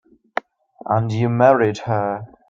And you married her.